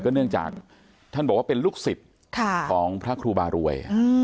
เนื่องจากท่านบอกว่าเป็นลูกศิษย์ของพระครูบารวย